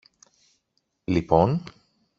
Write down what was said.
Λοιπόν;